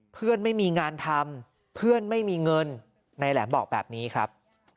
ไม่มีงานทำเพื่อนไม่มีเงินนายแหลมบอกแบบนี้ครับ